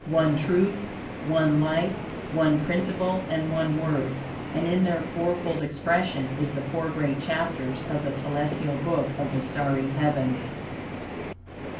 ONE TRUTH, ONE LIFE, ONE PRINCIPLE, AND ONE WORD, and in their fourfold expression, is the four great chapters of the celestial book of the starry heavens.